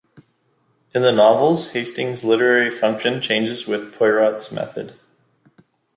In the novels, Hastings's literary function changes with Poirot's method.